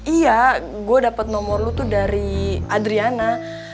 iya gue dapat nomor lu tuh dari adriana